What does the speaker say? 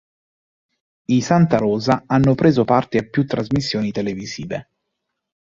I Santarosa hanno preso parte a più trasmissioni televisive.